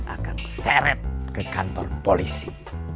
akan seret ke kantor polisi